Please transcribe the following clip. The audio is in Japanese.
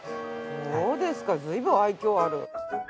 そうですか随分愛嬌ある。